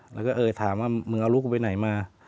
แล้วก็เออถามว่ามึงเอาลูกกูไปไหนมา